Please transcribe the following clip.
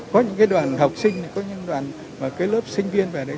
có những đoàn học sinh có những đoàn lớp sinh viên vào đây